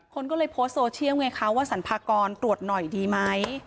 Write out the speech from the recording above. คนก็เลยโพสต์โซเชียลไงคะว่าสรรพากรตรวจหน่อยดีไหม